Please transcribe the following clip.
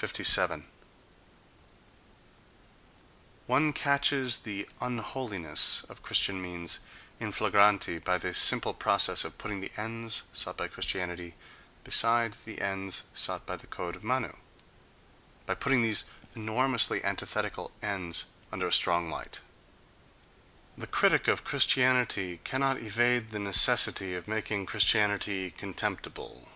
1 Corinthians vii, 2, 9. 57. One catches the unholiness of Christian means in flagranti by the simple process of putting the ends sought by Christianity beside the ends sought by the Code of Manu—by putting these enormously antithetical ends under a strong light. The critic of Christianity cannot evade the necessity of making Christianity contemptible.